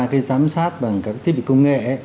cái giám sát bằng các thiết bị công nghệ